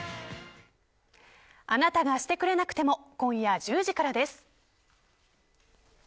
あなたがしてくれなくても今夜１０時からです。